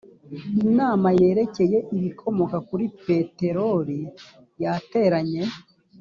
inama yerekeye ibikomoka kuri peteroli yateranye